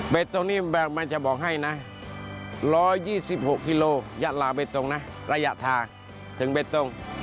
เบตตรงนี้มันจะบอกให้๑๒๖กิโลกรัมยาลาเบตตรงระยะทางถึงเบตตรง